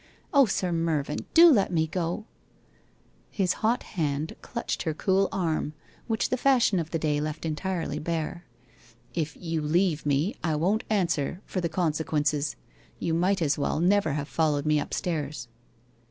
Oh, Sir Mervyn, do let me go !' His hot hand clutched her cool arm, which the fashion of the day left entirely bare. 'If you leave me, I won't answer for the consequences. You might as well never have followed me upstairs.'